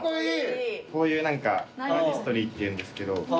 こういう何かカーディストリーっていうんですけど。